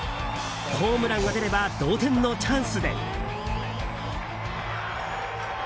ホームランが出れば同点のチャンスで。